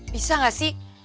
bisa gak sih